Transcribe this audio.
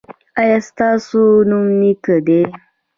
ایا ستاسو نوم نیک دی؟